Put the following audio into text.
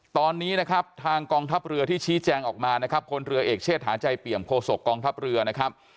ตอนนี้นะครับทางกองทัพเรือที่ชี้แจงออกมานะครับคนเรือเอกเชษฐาใจเปี่ยมโคศกกองทัพเรือนะครับ